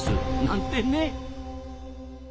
なんてね。